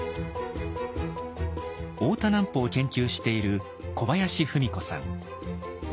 大田南畝を研究している小林ふみ子さん。